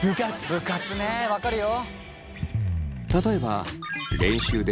部活ね分かるよ。